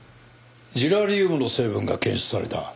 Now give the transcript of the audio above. ジラリウムの成分が検出された。